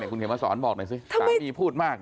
คุณเขียนมาสอนบอกหน่อยสิสามีพูดมาก